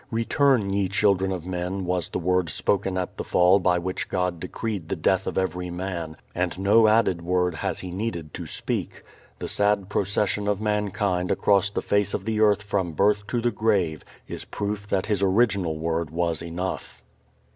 "Return ye children of men" was the word spoken at the Fall by which God decreed the death of every man, and no added word has He needed to speak. The sad procession of mankind across the face of the earth from birth to the grave is proof that His original Word was enough.